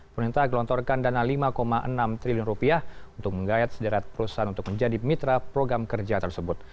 perintah gelontorkan dana lima enam triliun rupiah untuk menggayat sederet perusahaan untuk menjadi mitra program kerja tersebut